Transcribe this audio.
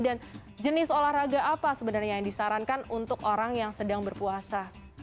dan jenis olahraga apa sebenarnya yang disarankan untuk orang yang sedang berpuasa